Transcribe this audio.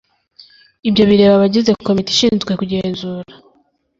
Ibyo bireba abagize Komite ishinzwe kugenzura.